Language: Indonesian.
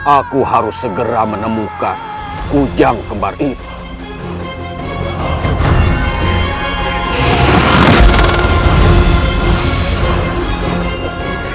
aku harus segera menemukan kujang kembar ini